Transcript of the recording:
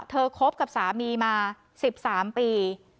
คบกับสามีมา๑๓ปี